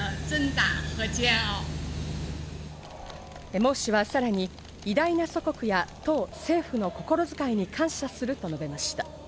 モウ氏はさらに、偉大な祖国や党・政府の心遣いに感謝すると述べました。